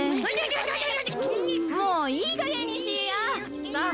もういいかげんにしいや。